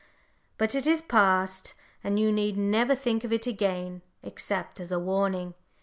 But it is past, and you need never think of it again, except as a warning.